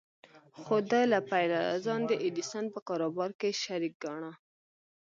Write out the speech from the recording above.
خو ده له پيله لا ځان د ايډېسن په کاروبار کې شريک ګاڼه.